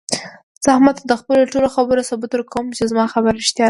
زه احمد ته د خپلو ټولو خبرو ثبوت ورکوم، چې زما خبرې رښتیا دي.